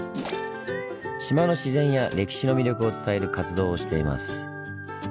島の自然や歴史の魅力を伝える活動をしています。